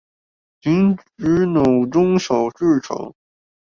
停止腦中小劇場